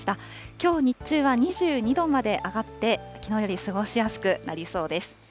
きょう日中は２２度まで上がって、きのうより過ごしやすくなりそうです。